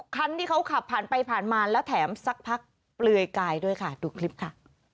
คันที่เขาขับผ่านไปผ่านมาแล้วแถมสักพักเปลือยกายด้วยค่ะดูคลิปค่ะ